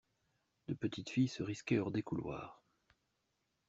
De petites filles se risquaient hors des couloirs.